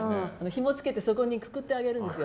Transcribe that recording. ひもつけてそこにくくってあげるんですよ。